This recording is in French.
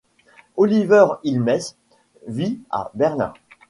Oliver Hilmes vit à Berlin.